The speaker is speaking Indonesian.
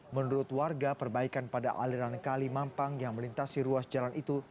menurut warga perbaikan pada aliran kali mampang yang melintasi ruas jalan itu